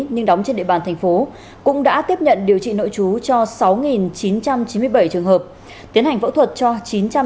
nhưng đóng trên địa bàn tp hcm cũng đã tiếp nhận điều trị nội chú cho sáu chín trăm chín mươi bảy trường hợp tiến hành phẫu thuật cho chín trăm chín mươi hai ca